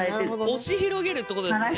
押し広げるってことですね？